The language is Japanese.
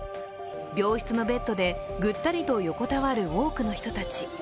病室のベッドで、ぐったりと横たわる、多くの人たち。